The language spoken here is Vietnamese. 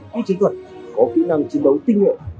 khi chiến thuật có kỹ năng chiến đấu tinh nguyện